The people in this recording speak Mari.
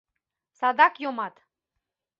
Садак йомат.